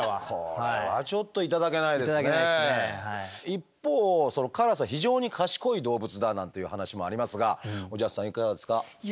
一方カラスは非常に賢い動物だなんていう話もありますがおじゃすさんいかがですか？